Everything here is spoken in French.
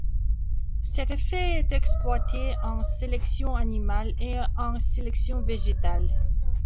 Cet effet est exploité en sélection animale et en sélection végétale.